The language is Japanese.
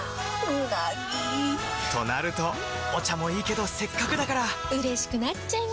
うなぎ！となるとお茶もいいけどせっかくだからうれしくなっちゃいますか！